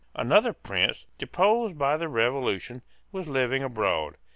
Another prince, deposed by the Revolution, was living abroad.